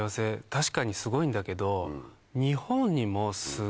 確かにすごいんだけど。